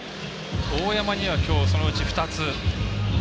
大山には、そのうち２つ。